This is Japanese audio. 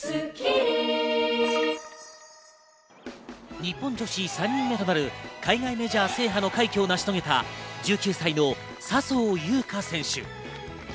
日本女子３人目となる海外メジャー制覇の快挙を成し遂げた１９歳の笹生優花選手。